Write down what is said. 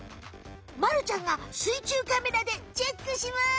まるちゃんがすいちゅうカメラでチェックします！